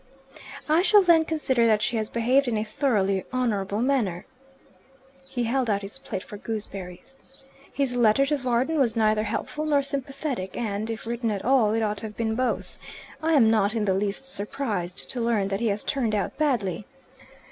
"I shall then consider that she has behaved in a thoroughly honourable manner." He held out his plate for gooseberries. "His letter to Varden was neither helpful nor sympathetic, and, if written at all, it ought to have been both. I am not in the least surprised to learn that he has turned out badly.